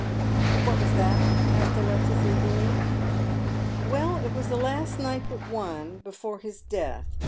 ""What was that ?" asks Alexis, eagerly. " Well, it was the last night but one before his death.